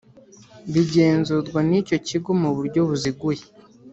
Bigenzurwa n icyo kigo mu buryo buziguye